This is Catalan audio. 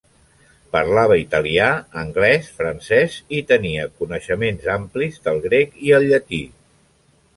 Parlava italià, anglès, francès i tenia coneixements amplis del grec i el llatí.